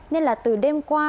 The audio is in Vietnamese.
nên là từ đêm qua